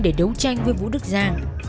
để đấu tranh với vũ đức giang